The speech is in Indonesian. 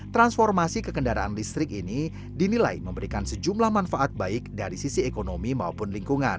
transformasi ke kendaraan listrik ini dinilai memberikan sejumlah manfaat baik dari sisi ekonomi maupun lingkungan